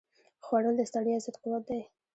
خوړل د ستړیا ضد قوت دی